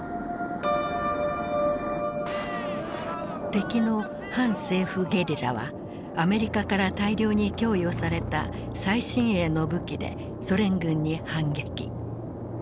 敵の反政府ゲリラはアメリカから大量に供与された最新鋭の武器でソ連軍に反撃。